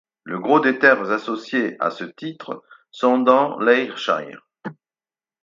Le gros des terres associées à ce titre sont dans l'Ayrshire.